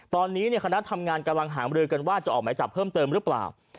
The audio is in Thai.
ตอนนี้คณะทำงานกำลังหามรือกันว่าจะออกหมายจับเพิ่มเติมหรือเปล่า